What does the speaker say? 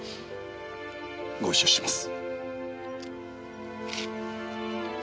ご一緒します。